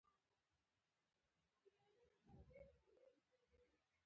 • زوی د پلار د زحمتونو انعام وي.